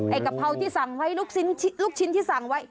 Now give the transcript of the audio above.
ไอ้กะเพราที่สั่งไว้ลูกชิ้นที่สั่งไว้